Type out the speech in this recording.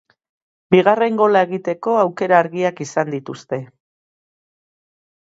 Bigarren gola egiteko aukera argiak izan dituzte.